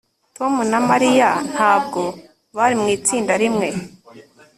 Tom na Mariya ntabwo bari mu itsinda rimwe